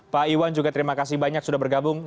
pak iwan juga terima kasih banyak sudah bergabung